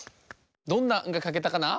どんな「ん」がかけたかな？